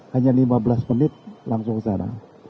hanya lima belas menit langsung ke sana